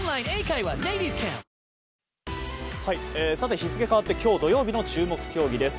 日付が変わって今日土曜日の注目競技です。